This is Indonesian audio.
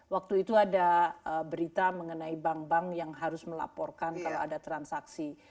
waktu itu ada berita mengenai bank bank yang harus melaporkan kalau ada transaksi